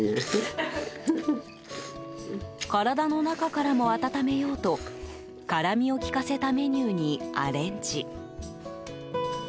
体の中からも温めようと辛味を利かせたメニューにアレンジ。